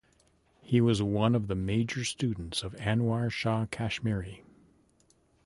He was one of the major students of Anwar Shah Kashmiri.